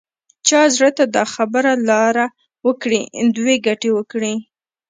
چا زړه ته دا خبره لاره وکړي دوه ګټې وکړي.